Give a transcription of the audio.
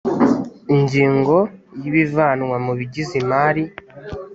ingingo ya ibivanwa mu bigize imari